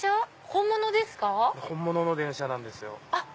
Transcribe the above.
本物の電車なんですよ。